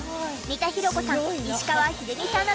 三田寛子さん